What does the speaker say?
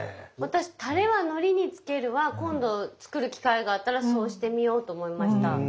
私「タレはのりにつける」は今度作る機会があったらそうしてみようと思いました。